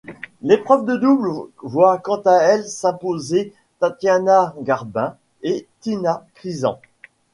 L'épreuve de double voit quant à elle s'imposer Tathiana Garbin et Tina Križan.